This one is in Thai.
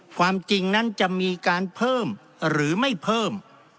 ความจริงนั้นจะมีการเพิ่มหรือไม่เพิ่ม